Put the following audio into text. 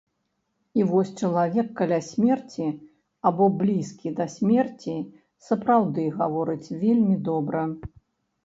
І вось чалавек каля смерці або блізкі да смерці сапраўды гаворыць вельмі добра.